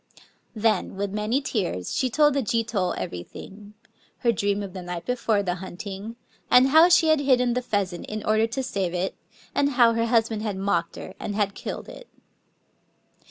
Then, widi many tears, she told the Jito crerythii^ : her dream of die night before the hunting, and how she had hidden die pheasant in order to saTe it, and how her hus band had mocked her, and had killed it.